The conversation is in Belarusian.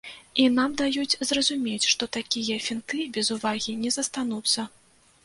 І нам даюць зразумець, што такія фінты без увагі не застануцца.